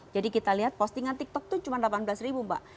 jadi kita lihat postingan tiktok itu cuma delapan belas ribu mbak